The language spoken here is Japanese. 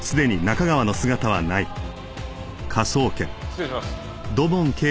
失礼します。